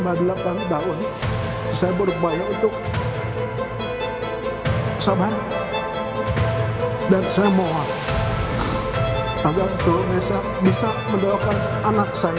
saya berupaya untuk sabar dan saya mohon agar seluruh indonesia bisa mendoakan anak saya